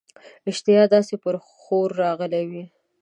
اشتها داسي پر ښور راغلې وه.